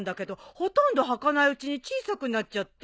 ほとんど履かないうちに小さくなっちゃって。